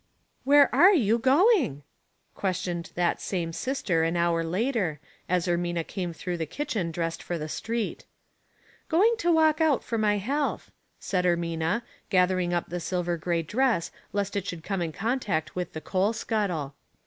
'Where are you going ?" questioned that Wai/8 and Means. 191 rarae sister an hour later, as Ermina came tbrouorh the kitchen dressed for the street. '* Going to walk out for my heal'th," said Er mina, gathering up the silver gray dress lest it should come in contact with the coal scuttle.